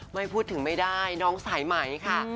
ไม่พูดถึงไม่ได้น้องสายไหมค่ะ